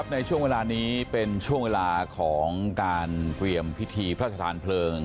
ในช่วงเวลานี้เป็นช่วงเวลาของการเตรียมพิธีพระราชทานเพลิง